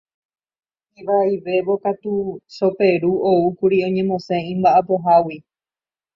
Ivaivévo katu Choperu oúkuri oñemosẽ imba'apohágui.